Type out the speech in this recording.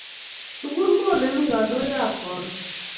Sukul ko olemi kandoikap karon